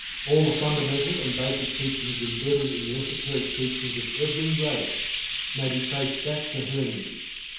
All the fundamental and basic teachings embedded in the esoteric teachings of every race may be traced back to Hermes.